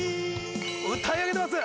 歌い上げてます。